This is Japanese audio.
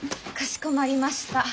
かしこまりました。